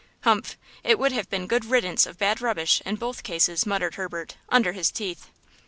"Humph! it would have been 'good riddance of bad rubbish' in both cases," muttered Herbert, under his teeth.